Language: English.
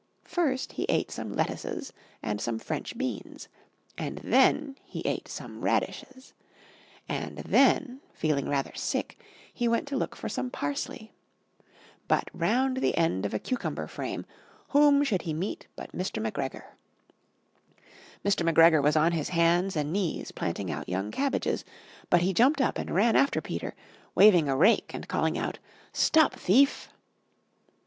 First he ate some lettuces and some French beans And then He Ate Some Radishes And then, feeling rather sick, he went to look for some parsley. But round the end of a cucumber frame, whom should he meet but Mr. McGregor! Mr. McGregor was on his hands and knees planting out young cabbages, but he jumped up and ran after Peter, waving a rake and calling out "Stop thief!"